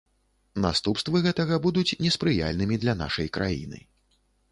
Наступствы гэтага будуць неспрыяльнымі для нашай краіны.